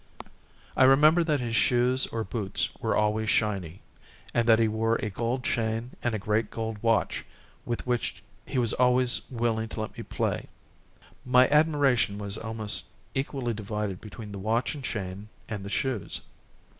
I remember that his shoes or boots were always shiny, and that he wore a gold chain and a great gold watch with which he was always willing to let me play. My admiration was almost equally divided between the watch and chain and the shoes.